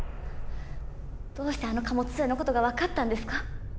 どうしてあの貨物船のことが分かったんですか？